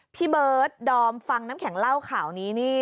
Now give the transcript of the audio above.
พี่เบิร์ดดอมฟังน้ำแข็งเล่าข่าวนี้นี่